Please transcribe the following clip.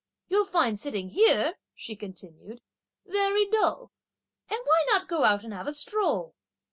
You'll find sitting here," she continued, "very dull, and why not go out and have a stroll?"